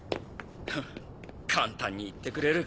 フン簡単に言ってくれる。